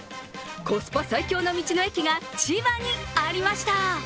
コスパ最強の道の駅が千葉にありました。